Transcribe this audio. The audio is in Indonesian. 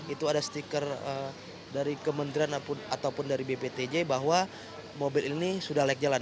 itu ada stiker dari kementerian ataupun dari bptj bahwa mobil ini sudah layak jalan